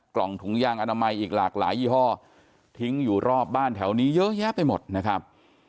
กล่องถุงยางอนามัยอีกหลากหลายยี่ห้อทิ้งอยู่รอบบ้านแถวนี้เยอะแยะไปหมดนะครับ